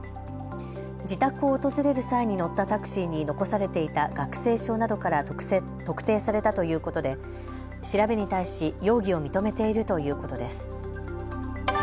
自宅を訪れる際に乗ったタクシーに残されていた学生証などから特定されたということで調べに対し容疑を認めているということです。